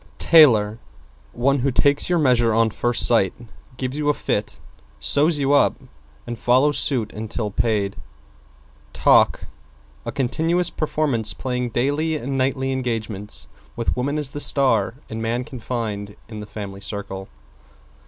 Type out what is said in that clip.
=TAILOR= One who takes your measure on first sight, gives you a fit, sews you up and follows suit until paid. =TALK= A continuous performance playing daily and nightly engagements, with Woman as the star and Man confined in the Family Circle.